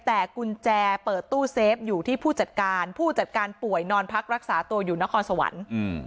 แต่กุญแจเปิดตู้เซฟอยู่ที่ผู้จัดการผู้จัดการป่วยนอนพักรักษาตัวอยู่นครสวรรค์